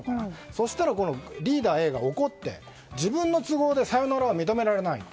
そしたら、リーダーＡが怒って自分の都合でさよならは認められない。